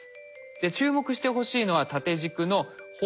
注目してほしいのは縦軸の放射照度。